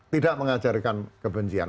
tidak mengajarkan kebencian